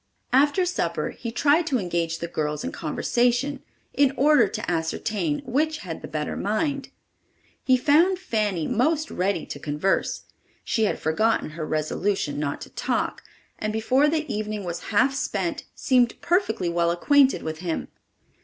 After supper he tried to engage the girls in conversation in order to ascertain which had the better mind. He found Fanny most ready to converse. She had forgotten her resolution not to talk, and before the evening was half spent seemed perfectly well acquainted with him.